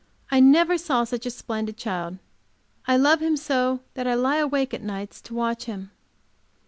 I never saw such a splendid child. I love him so that I lie awake nights to watch him.